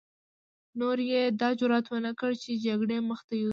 نورو يې دا جرعت ونه کړ چې جګړې مخته يوسي.